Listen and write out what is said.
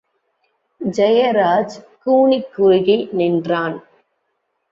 ஜெயராஜ் கூனிக் குறுகி நின்றான்!....